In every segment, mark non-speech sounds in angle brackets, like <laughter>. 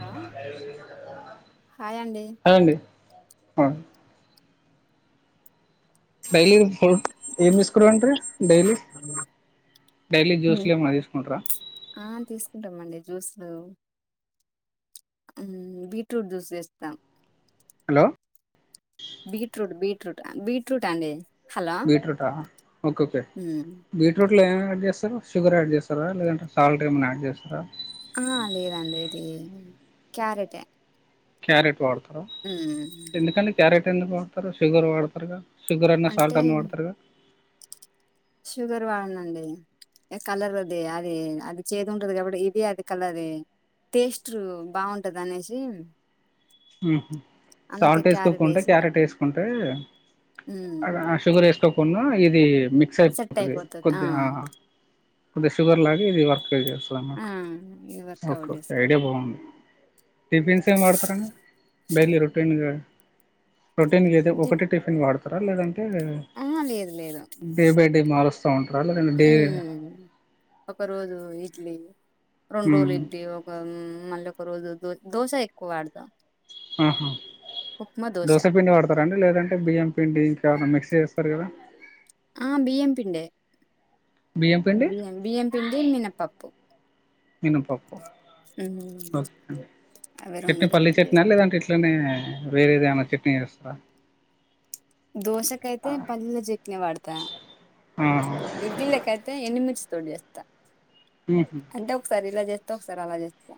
Hello hi అండి అనండి ఆ డైలీ ఏం తీసుకురుంటీ డైలీ డైలీ జ్యూస్లు ఏమన్నా తీసుకుంటార ఆ తీసుకుంటామండి జ్యూస్లు బీట్రూట్ జ్యూస్ వేస్తాం హలో బీట్రూట్ బీట్రూట్ బీట్రూట్ అండి హలో బీట్్రూట్ా ఓకే ఓకే బీట్రూట్ ఇలో ఏమై యాడ్ చేస్తారు షుగర్ యాడ్ చేస్తారా లేదంటే సాల్ట్ ఏమన్నా యాడ్ చేస్తారా ఆ లేదండి ఇది క్యారెటే క్యారెట్ వాడతారుా ఎందుకంటే క్యారెట్ ఎందుకు వాడతారు షుగర్ వాడతారుగాదా అంటే షుగర్ వాడనండి ఏ కలర్ అద అది అది చేది ఉంటది కాబట్టి ఇది అది కలర్ టేస్ట్ బాగుంటది అనేసి అందుకే సాల్ట్ క్యారెట్ వేసుకోకుంటే వేసి క్యారెట్ వేసుకుంటే అద షుగర్ వేసుకో కొన్న ఇది మిక్స్ సెట్ అయిపోతుంది అయిపోతది ఆ కొద్దిం కొద్దిగా షుగర్ లాగా ఇది వర్క్ చేస్తా ఆ అన్నట్ ఇది ఓకే వర్కౌట్ ఓకే ఐడియా చేసుకుంటా బాగుంది టిఫిన్స్ ఏం వాడతారండి డైలీ రొటీన్గా రొటీన్గా అయితే ఒకటి టిఫిన్ వాడతారా లేదంటే ఆ లేదు డే బై డ మారు హ పక్క రజ ఇడ్లీ రెండు రోజులు మ్మ్ ఇడ్డి ఒక మళ్ళీ ఒక రోజు దో దోశ ఎక్కువ వాడదాం ఆహా దోశ పిండి వాడతారంాండి లేదంటే బియ్యం పిండి ఇంకా ఏవనా మిక్స్ీ చేస్తారు కదా ఆ బిఎంపిిడి బియ్యం పిండి బియ బియ్యంపిండి మినపప్పు నను పాపో ఉమ్, కే అవి చట్నీ రెండు పల్లీ కలిపి చట్నీ చేస్తా లేదంటే ఇట్లనే వేర ఏదినా చట్నీ వస్తరా దోశకైతే పల్లీల చట్నీ వాడతా ఆ ఇడ్లీలక అయితే ఎన్నిమిించి తోడు చేస్తా మ్మ్ హ్మ్ అంటే ఒకసారి ఇలా చేస్తా ఒకసారి అలా చేస్తా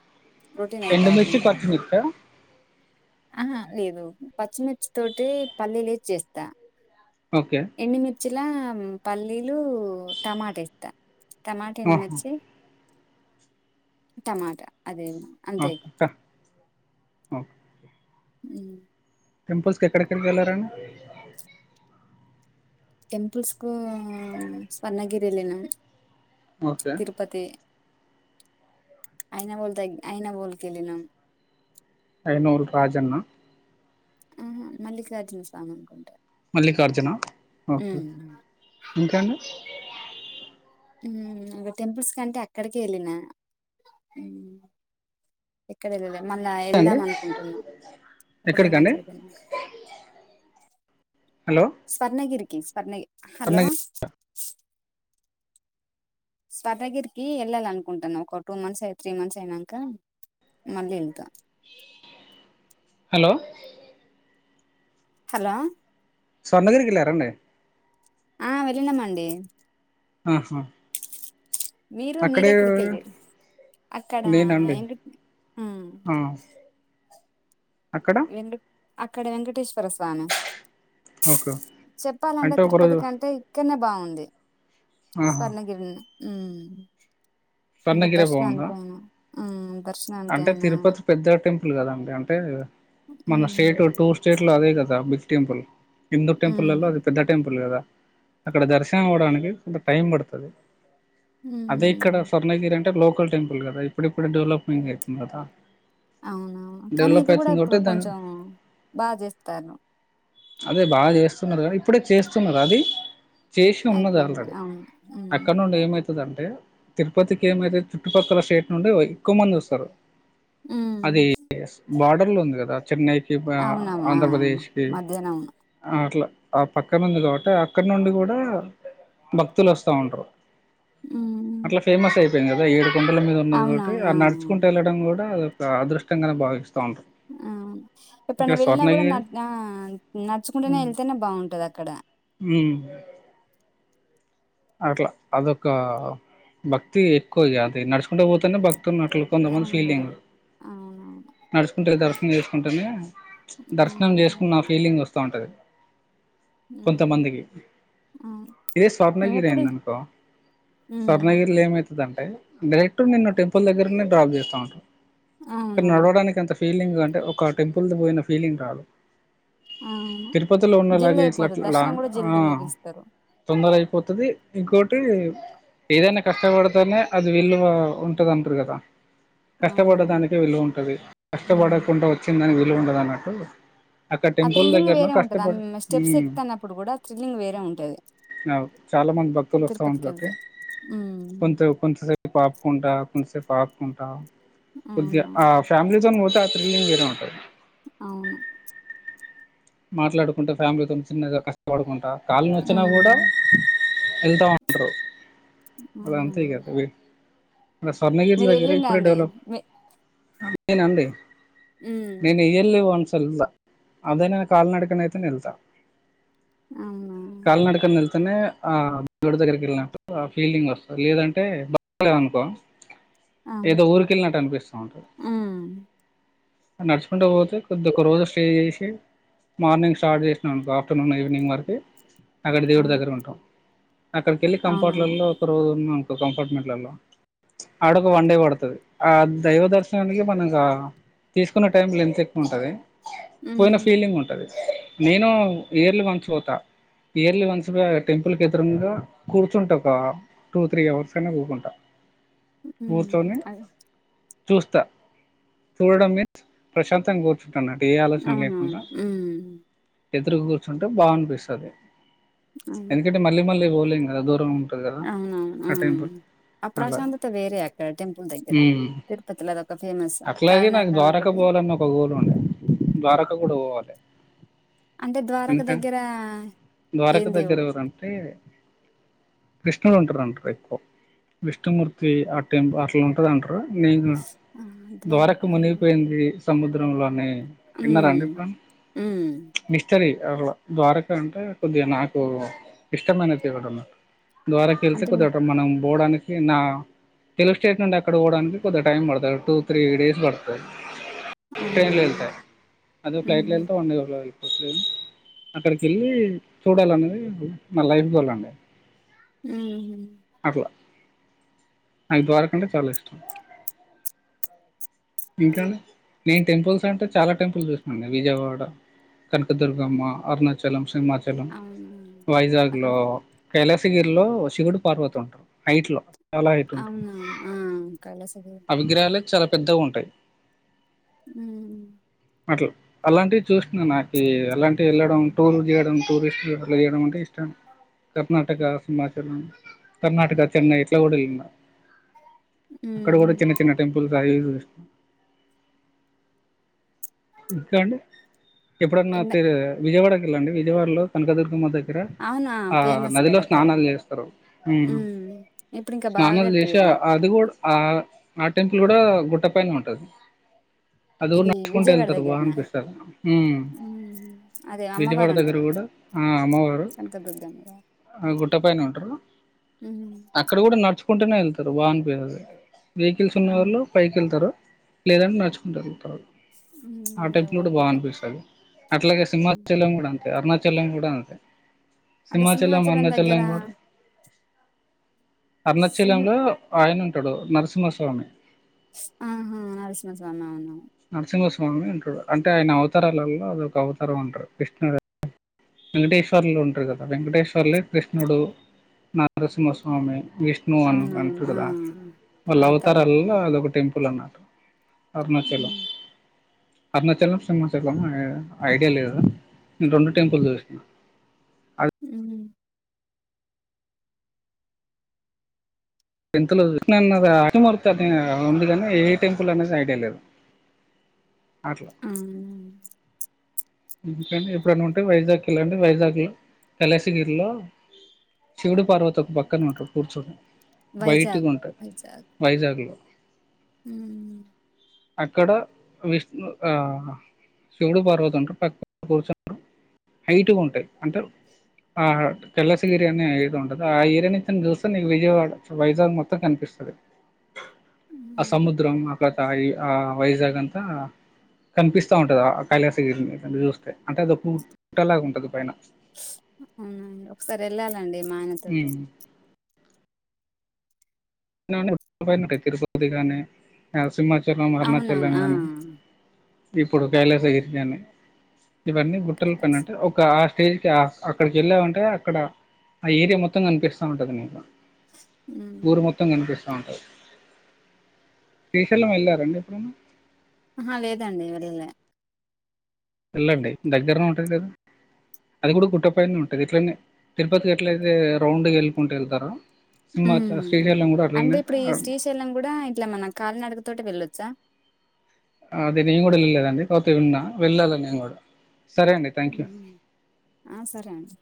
రొటీన్ అయి ఎండుమిర్చి కాకుండా పచ్చిమిర్చా ఆహా లేదు పచ్చిమిర్చి తోటి పల్లీలు ఏసి చేస్తా ఓకే చిలా పల్లీలు టమాట ఏస్తా టమాటా ఆహా ఎండిమిర్చి టమాటా అదేం అంతే ఇగ ఓ ఊ టెంపుల్స్ కి ఎక్కడెక్కడికి వెళ్ళారండి టెంపుల్స్ కు స్వర్ణగిరి వెళ్ళినం ఓకే తిరుపతి ఐయినవో దగ్ అయివోల్ కెలినం ఐనూరు రాజన్న ఊ మల్లికార్జున స్వామి అనుకుంటా మల్లికార్జున ఓకే ఉమ్. ఇంక అండి ఊ ఇగ టెంపుల్స్ కంటే అక్కడికె వెళ్ళిన ఎక్కడెలలె మళ్ళా అండి వెళ్దాం అనుకుంటున్నా ఒక టూ ఎక్కడికండి మంత్స్ అయిపోనంకా హలో స్వర్ణగిరికి స్వర్ణగి హలో అ స్వర్ణగిరికి వెళ్ళాలి అనుకుంటున ఒక టూ మంత్స్ అ త్రీ మంత్స్ అయినంక మళ్ళీ ఏళ్తా హలో హలో స్వర్ణగిరికి వెళ్ళారండి ఆ వెళ్ళినమండి ఆహా మీరు అక్కడే మీరెక్కడికెల్లిరు అక్కడ నేనండి ఎంకంటే ఆ అక్కడ అక్కడ వెంకటేశ్వర స్వామి ఓకే చెప్పాలంటే అంటే తిరుపతి ఒకరోజు కంటే ఇక్కనే బావుంది ఆహా స్వర్ణగిరి ఊ అంటే స్వర్ణగిరి బాగుందా దర్శనానికయినా ఆ అంటే తిరుపతి పెద్ద టెంపుల్ కదండి అంటే మన ఉమ్ స్టేట్ టూ స్టేట్ లో అదే కదా బిగ్ టెంపుల్ హిందూ ఉమ్ టెంపుల్లో అది పెద్ద టెంపుల్ కదా అక్కడ దర్శనం అవ్వడానికి కొంత టైం పడుతది అదే ఇక్కడ ఉమ్ స్వర్ణగిరి అంటే లోకల్ టెంపుల్ కదా ఇప్పుడిప్పుడు డెవలపింగ్ ఐతుంది కదా అవునవును కానీ డెవలప్ ఇది కూడా అవుతుంది కాబట్టి ఇప్పుడు దాని కొంచెం బాగా చేస్తారు అదే బాగా చేస్తున్నారు కానీ ఇప్పుడే చేస్తున్నర అది చేసి ఉన్నది అయిపోయింది ఆల్రెడీ అవును ఉమ్ అక్కడ నుండి ఏమైతు దంటే తిరుపతికి ఏమైతే చుట్టుపక్కల స్టేట్ నుండి ఎక్కువ మంది వస్తారు ఉమ్ అది ఎస్ బార్డర్ లో ఉంది కదా చెన్నైకి బ అవునవునా ఆంధ్రప్రదేశ్కి మధ్యాహ్నం అవును ఆ అట్లా ఆ పక్క నుంది కాబట్టి ఆ అక్కడ నుండి కూడా భక్తులు వస్తా ఉంటరు ఉమ్ అట్లా ఫేమస్ అయిపోయింది కదా ఏడు కొండల మీద ఉన్నది కాబట్టి ఆ అవునవునా నడుచుకుంటూ వెళ్ళడం కూడా కూడా ఒక అదృష్టంగానే భావిస్ ఆ ఎప్పుడను వెళ్ళినా కూడా స్వర్ణగిరి న నడుచుకుంటనే వెళ్తనే బాగుంటది అక్కడ ఉమ్ అట్లా అదొక భక్తి ఎక్కువ ఇగ అది నడుచుకుంట పోతనే భక్తి తున్నట్లు కొంతమంది అవును ఫీలింగ్ అవునవును నడుచుకుంట దర్శనం చేసుకుంటేనే ప్చ్ దర్శనం ఉమ్, చేసుకున్న ఆ ఫీలింగ్ వస్తా ఉంటది అవును కొంతమందికి అవును. ఇదే స్వ మేము ర్ణగిరి ఎప్పుడు అయిందనుకో ఉమ్, స్వర్ణగిరిలో ఏమై తదంటే డైరెక్ట్ నిన్ను టెంపుల్ దగ్గరనే డ్రాప్ చేస్తా ఉంటరు ఇక్కడ అవునవును నడవడానికంత ఫీలింగ్ అంటే ఒక టెంపుల్ది పోయిన ఫీలింగ్ రాదు. అవును తిరుపతిలో జల్ది ఉన్నలాగే అయిపోతది ఇట్లట్లా దర్శనం కూడా ఆ జల్ది ముగిస్తారు తొందరయి పోతది ఇంకోటీ ఏదైన కష్టపడతేనే అది విలువా ఉంటదంటరు గదా. అవునవును కష్టపడ్డదానికే విలువుంటది ఉమ్. కష్టపడకుండ ఒచ్చిందానికి విలువుండదన్నట్టూ. ఆ త్రిల్లింగ్ వేరే ఉంటది ఆ మ్ స్టెప్స్ ఉమ్ ఎక్తుతన్నప్పుడు గూడా థ్రిల్లింగ్ వేరే ఉంటది. అవ్ చాలా మంది భక్తులు ఒస్తా ఉంటరు తిరుపతికి కాట్టి వెళ్తే ఉమ్, కొంత కొంతసేపు ఆపుకుంటా కొంతసేపు ఆపుకుంటా కొద్దిగ అవును ఆ ఫ్యామిలీతోని పోతే ఆ త్రిల్లింగ్ వేరే ఉంటది. అవును మాట్లాడుకుంట ఫ్యామిలీతోని చిన్నగా కష్టపడుకుం ట కాళ్లు నొచ్చినా గూడ ఉమ్, ఎళ్తా ఉంట్రు. అదంతే అవునండి ఇగ <unintelligible> మన స్వర్ణగిరి మీరు దగ్గర వెళ్ళిండ ఇప్పుడే అండి డెవలప్ నేనండి అవునా నేను ఇయర్లి వన్స్ ఏళ్తా అదైనా కాల్ నడకనయితేనే ఎల్తా అవునా కాల్ నడకనెల్ అనే ఆ <unintelligible> దగ్గరికెళ్ళినట్టు ఆ ఫీలింగ్ ఒస్తది లేదంటే <unintelligible> అనుకో అవును ఏదో ఊరికెళ్ళినట్టు అనిపిస్తా ఉంటది. హ్మ్ నడుచుకుంట పోతే కొద్ది ఒక రోజు స్టే చేషి మార్నింగ్ స్టార్ట్ చేసినవనుకో ఆఫ్టర్నూన్ ఈవినింగ్ వరకి అక్కడి దేవుడి అవు దగ్గర ఉంటాం. అక్కడికెల్లి అవునవును కంఫార్ట్లల్లో ఒక రోజు ఉన్నానుకో కంఫార్ట్మెంట్లల్లో ఆడొక వండే పడుతది ఆ దైవ దర్శనానికి మనకా తీసుకున్న టైం లెంత్ ఎక్కువుంటది పోయిన హ్మ్ ఫీలింగ్ ఉం నేనూ ఇయర్లీ వన్స్ పోతా. ఇయర్లీ వన్స్ బోయ్ టెంపుల్ కెదురుంగా కూర్చుంట ఒకా టూ త్రీ అవర్స్ అయినా కూకుంట. <unintelligible> చూస్త చూడడం మీన్స్ ప్రశాంతంగ కూర్చుంటన్నట్టు ఏ ఆలోచన అవునవును లేకుండా హ్మ్ ఎదురుగా గూర్చుంటే బా అనిపిస్తది. అవును ఎందుకంటే మళ్ళీ మళ్ళీ పోలేం గదా దూరం ఉంటది కదా అవునవును ఆ టెంపుల్ <unintelligible> ఆ అలా ప్రశాంతత వేరే అక్కడ టెంపుల్ దగ్గర ఉమ్ తిరుపతిలదొక ఫేమస్ అట్లాగే నాకు <unintelligible> ఒకటి <unintelligible> ఒక గోల్ ఉండే ద్వారకా గూడ పోవాలి. అంటే ద్వారక ఇంకా దగ్గర ద్వారక ఏం దేవుడు దగ్గరెవరంటే కృష్ణుడుంటరంటరు ఎక్కో విష్ణుమూర్తి ఆ టైం అట్లా ఉంటదంట నేను ఆ ద్వారక అవును. మునిగిపేయింది సముద్రంలో అనీ విన్నరా అండి ఎప్పుడన్న. ఉమ్ అట్లా ద్వారకా అంటే కొద్దిగ నాకూ ఇష్టమైన దేవుడన్నట్టు. ద్వారకెళ్తే అంటే మీ కొద్దిగటు మనం బోడాని కి నా తెలుగు స్టేట్ నుండి అక్కడ పోడానికి కొద్దిగ టైం పడుతది టూ త్రీ డేస్ పడుతది. ట్రైన్ అవునా లో ఎళ్తే అదే ఫ్లైట్ లో హ్మ్ ఎళ్తే వన్ అవర్ లో ఎళ్పోచు అక్కడికెళ్ళి చూడాలనేది నా లైఫ్ గోలండి. ఉహూ అండ్ ద్వారక అంటే చాలా ఇష్టం. ఇంకా నేను టెంపుల్స్ అంటే చాలా టెంపుల్ చూసాండి విజయవాడ కనకదుర్గమ్మా అరుణాచలం సింహాచలం అవునా వైజాగ్ అక్కడ లో కైలాసగిరిలో శివుడు పార్వతి ఉంటరు హైట్ లో చాలా హైట్ ఉంటారు అవునా ఆ కైలాసగిరి పెద్దగుంటయి. ఊ అట్ల అలాంటివి చూశ్న నాకీ అలాంటివి వెళ్ళడం, టూర్ చేయడం, టూరిస్ట్ అట్ల చేయడం అంటే ఇష్టం. కర్ణాటక సింహాచలం కర్ణటక చెన్నై ఇట్ల గూడా ఎల్లిన అక్కడ గూడా హ్మ్ చిన్న చిన్న టెంపుల్స్ అవివి జూశ్ ఇంకా అండి ఎప్పుడన్నా ఎండ తె విజయవాడకి వెళ్ళండి విజయవాడలో కనకదుర్గమ్మ దె గర అవునా ఆ ఫేమస్ నదిలో గదా అక్కడ స్నానాలు చేస్తారు ఉమ్ ఇప్పుడు ఇంకా బాగా స్నానాలు చేసి ఆ కట్టిర్రు అది గూడ ఆ ఆ టెంపుల్ గూడా గుట్ట పైనే ఉంటది ఇదీ విజయవా తరు బా అనిపిస్తరు అదే విజయవాడ దగ్గర గూడా ఆ అమ్మవారు తగ్గుద్దం ఆ గుట్ట పైనే ఉంటరు ఉహు కుంటనే ఎళ్తరు వాన్ పియదది వెహికల్స్ అవును. ఉన్నోళ్ళు పైకి ఎళ్తరు లేదని నడుచుకుంటా ఎళ్తారు ఉమ్ ఆ ఇగ టెపుల్ గూడా బా ఓపిక అనిపిస్తది అట్లాగే సింహాచలం గూడా అన్ తె అరుణాచలం గూడా అంతె అంటే సింహాచలం దగ్గర అరుణాచలం గూడ సింహ అరుణచలంలో ఆయన ఉంటడు నరసింహస్వామి ఆహా నరసింహస్వామా అవునవును స్వామి ఉంటడు అంటే ఆయన అవతారాలల్ల అదొక అవతారం అంటారు కృష్ణ <inaudible> వెంకటేశ్వర్లు ఉంటరు కదా వెంకటేశ్వర్లే కృష్ణుడు నరసింహస్వామి విష్ణువు అని అవునవును అంటరు ఆ కదా వాళ్ళ అవతార్ ఎత్తు అవతారలల్లో అదొక టెంపుల్ అన్నట్టు అరుణాచల ఉమ్ అరుణాచలం సింహాచలం ఐ ఐడియా లేదు నేను రెండు టెంపుల్ చూశ్నా ఊ టెన్త్ లో <inaudible> <unintelligible> ఉంది గాని ఏ టెంపుల్ అనేది ఐడియా లేదు ఆ ఇంకండి ఎప్పుడన్న ఉంటే వైజాగ్ కి ఎళ్లండి వైజాగ్ లో కళాశగిరిలో శివుడు పార్వతి ఒక్ పక్కనే ఉంటరు కూర్చోని వైట్ గ వైజాగ్ ఉంట వైజాగ్ లో ఊఉ అక్కడ విష్ణు ఆ శివుడు పార్వతుంటరు పక్క <unintelligible> హైటు గుంటాయ్ అంటే ఆ కలాసగిరి అనే ఇరి ఉంటది, ఆ ఏరియా నించొన్ జూస్సె నీకు విజయవాడ వైజాగ్ మొత్తం కనిపి. సది ఆ ఉమ్ సముద్రం అక్క <unintelligible> ఆ వైజాగ్ అంతా కనిపిస్తా ఉంటది ఆ కైళస గరిని చూస్తే అంటే అది ఓ పుట్టలాగా ఉంటంది పైన అవునా అండి ఒకసారి ఎళ్ళాలండి మాయన తోటి <unintelligible> తిరుపతి కాని సింహచ చలం అరుణాచలం అవునవును ఆ గాని ఇప్పుడు కైలాసగిరి కానీ ఇవన్నీ గుట్టల పైన కైలాస్ అంటే ఒక ఆర్ ఫేక్ ఆస్ అక్కడికి వెళ్ళావంటే అక్కడ ఆ ఏరియా మొత్తం కనిపిస్తా ఉంటది నీకు ఊ ఇనిపిస్తా ఉంటది శ్రీశైలం వెళ్ళారా అండి ఎప్పుడన్నా అహ లేదండి వెళ్ళలే ఎళ్ళండి దగ్గరనే ఉంటది గదా అది గూడా గుట్టపైనే ఉంటది ఇట్లనే తిరుపతికి ఎట్లయితే రౌండ్ వెళ్ళకుంటూ ఎళ్తరో ఊ అంటే ఇప్పుడు ఈ శ్రీశైలం కూడా ఇట్లా మన కాలీనడక తోటే వెళ్ళొచ్చా అదే నేను గూడా ఎళ్లలేదండి కాతే విన్నా వెళ్ళాలే నేను గూడ ఆ సరే అండి